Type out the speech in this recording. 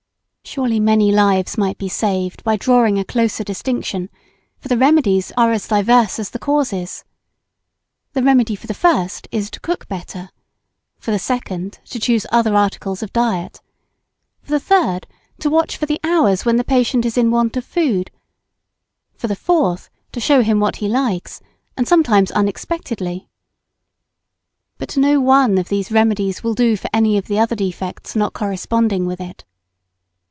Surely many lives might be saved by drawing a closer distinction; for the remedies are as diverse as the causes. The remedy for the first is to cook better; for the second, to choose other articles of diet; for the third, to watch for the hours when the patient is in want of food; for the fourth, to show him what he likes, and sometimes unexpectedly. But no one of these remedies will do for any other of the defects not corresponding with it.